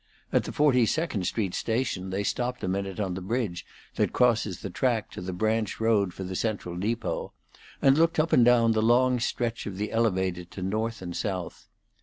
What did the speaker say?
At the Forty second Street station they stopped a minute on the bridge that crosses the track to the branch road for the Central Depot, and looked up and down the long stretch of the Elevated to north and south.